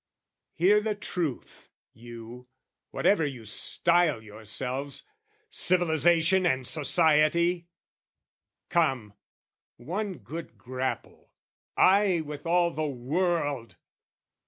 Hear the truth, you, whatever you style yourselves, Civilisation and society! Come, one good grapple, I with all the world!